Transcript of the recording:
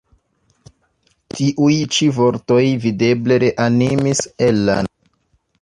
Tiuj ĉi vortoj videble reanimis Ella'n.